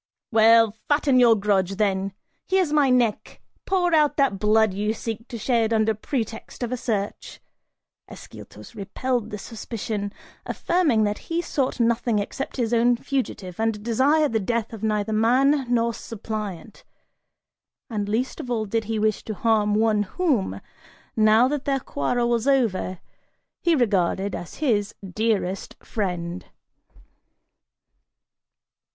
"Well, fatten your grudge, then! Here's my neck! Pour out that blood you seek to shed under pretext of a search!" Ascyltos repelled this suspicion, affirming that he sought nothing except his own fugitive and desired the death of neither man nor suppliant, and least of all did he wish to harm one whom, now that their quarrel was over, he regarded as his dearest friend.